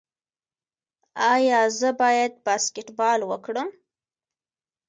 ایا زه باید باسکیټبال وکړم؟